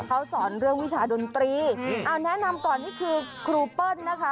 เขาสอนเรื่องวิชาดนตรีเอาแนะนำก่อนนี่คือครูเปิ้ลนะคะ